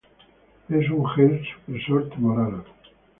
Es un gen supresor tumoral.